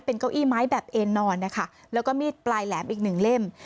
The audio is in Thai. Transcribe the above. เก้าอี้ไม้แบบเอ็นนอนนะคะแล้วก็มีดปลายแหลมอีกหนึ่งเล่ม